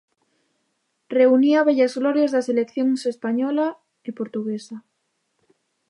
Reunía vellas glorias das seleccións española e portuguesa.